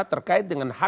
terkait dengan hak hak